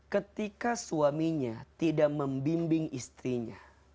ketika suaminya tidak membimbing istrinya